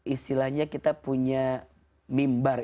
istilahnya kita punya mimbar